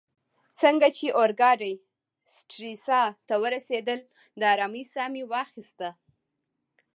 څنګه چي اورګاډې سټریسا ته ورسیدل، د آرامۍ ساه مې واخیسته.